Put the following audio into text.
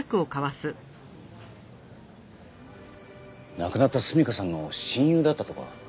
亡くなった純夏さんの親友だったとか。